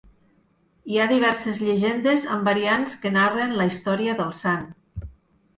Hi ha diverses llegendes amb variants que narren la història del sant.